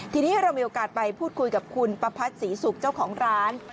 ทีนี้เรามีโอกาสไปพูดคุยกับคุณประพัทธศรีสุขเจ้าของร้าน